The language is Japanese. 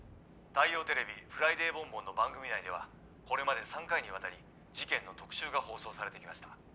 大洋テレビ「フライデ―ボンボン」の番組内ではこれまで３回にわたり事件の特集が放送されてきました。